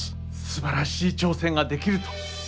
すばらしい挑戦ができると。